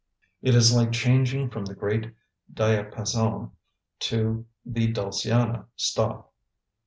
It is like changing from the great diapason to the dulciana stop.